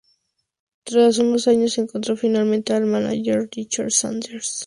Tras unos años, encontró finalmente al manager Richard Sanders.